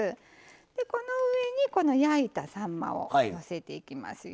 この上に、焼いたさんまをのせていきますよ。